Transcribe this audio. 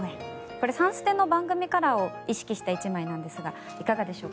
これ、「サンステ」の番組カラーを意識した１枚なんですがいかがでしょう？